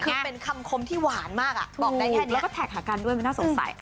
คือเป็นคำคมที่หวานมากอ่ะบอกได้แค่เนี้ย